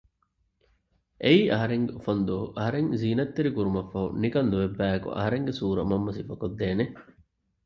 އެއީ އަހަރެންގެ އުފަންދުވަހު އަހަރެން ޒީނަތްތެރި ކުރުމަށްފަހު ނިކަން ލޯތްބާއެކު އަހަރެންގެ ސޫރަ މަންމަ ސިފަކޮށްދޭނެ